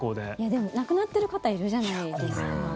でも、亡くなってる方いるじゃないですか。